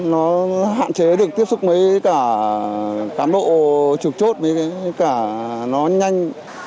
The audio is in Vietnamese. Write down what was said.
nó hạn chế được tiếp xúc với cả cán bộ trực chốt với cả nó nhanh